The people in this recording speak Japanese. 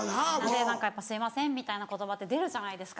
「すいません」みたいな言葉って出るじゃないですか。